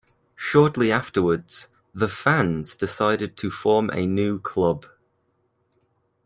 Shortly afterwards the fans decided to form a new club.